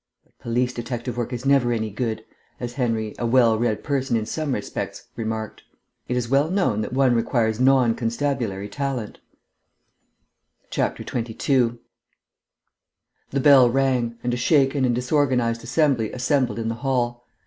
"But police detective work is never any good," as Henry, a well read person in some respects, remarked. "It is well known that one requires non constabulary talent." 22 The bell rang, and a shaken and disorganised Assembly assembled in the hall.